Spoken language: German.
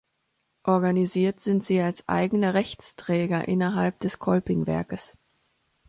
Organisiert sind sie als eigene Rechtsträger innerhalb des Kolpingwerkes.